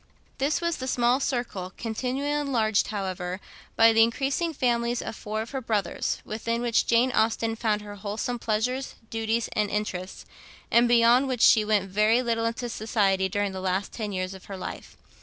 This was the small circle, continually enlarged, however, by the increasing families of four of her brothers, within which Jane Austen found her wholesome pleasures, duties, and interests, and beyond which she went very little into society during the last ten years of her life.